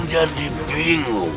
kau tidak bisa menang